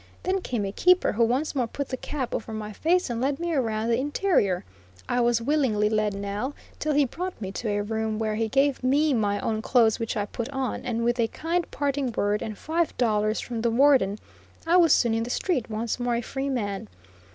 Then came a keeper who once more put the cap over my face and led me around the interior I was willingly led now till he brought me to a room where he gave me my own clothes which I put on, and with a kind parting word, and five dollars from the Warden, I was soon in the street, once more a free man.